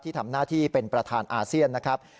ทำหน้าที่เป็นประธานอาเซียนนะครับ